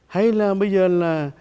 hay là bây giờ là